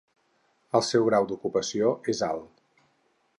El seu grau d’ocupació és alt.